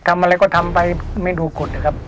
ทำอะไรก็ทำไปไม่ดูขุดนะครับ